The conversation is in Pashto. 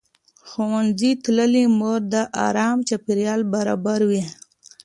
ښوونځې تللې مور د ارام چاپېریال برابروي.